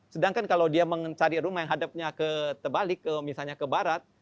sedangkan kalau dia mencari rumah yang hadapnya terbalik misalnya ke barat